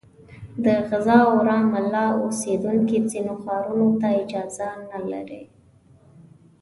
د غزه او رام الله اوسېدونکي ځینو ښارونو ته اجازه نه لري.